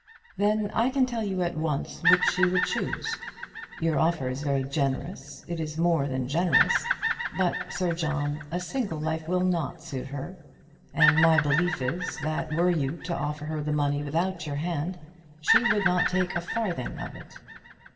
"Then I can tell you at once which she would choose. Your offer is very generous. It is more than generous. But, Sir John, a single life will not suit her; and my belief is, that were you to offer her the money without your hand, she would not take a farthing of it."